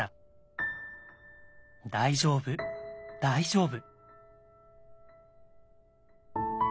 「大丈夫大丈夫」。